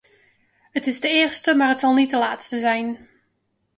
Het is de eerste maar het zal niet de laatste zijn.